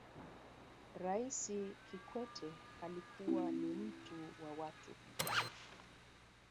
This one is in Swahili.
raisi kikwete alikuwa ni mtu wa watu